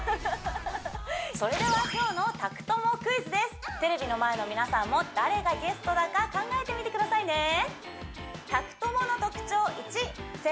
それでは今日の宅トモクイズですテレビの前の皆さんも誰がゲストだか考えてみてくださいねえ！？